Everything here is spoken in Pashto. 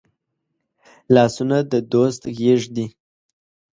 لاسونه د دوست غېږ دي